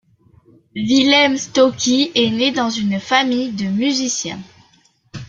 Vilém Tauský est né dans une famille de musiciens.